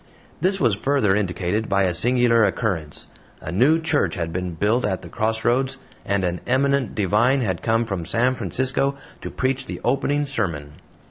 This was further indicated by a singular occurrence. A new church had been built at the crossroads, and an eminent divine had come from San Francisco to preach the opening sermon.